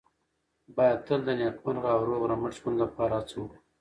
باید تل د نېکمرغه او روغ رمټ ژوند لپاره هڅه وکړو.